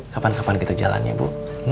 kapan kapan kita jalannya bu